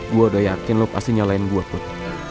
gua udah yakin lu pasti nyalain gua put